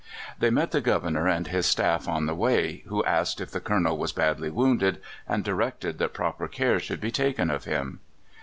They met the Governor and his staff on the way, who asked if the Colonel was badly wounded, and directed that proper care should be taken of him.